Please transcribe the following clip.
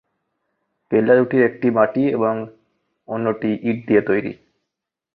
কেল্লা দুটির একটি মাটি এবং অন্যটি ইট দিয়ে তৈরি।